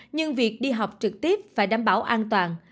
nhưng việc đi học trực tiếp phải đảm bảo an toàn